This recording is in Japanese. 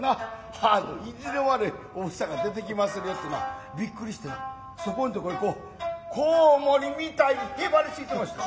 あの意地の悪いおふさが出てきまするよってなびっくりしてなそこんとこへこうこうもりみたいにへばりついてました。